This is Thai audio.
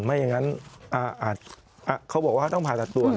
ไม่อย่างนั้นเขาบอกว่าเขาต้องผ่าตัดตัว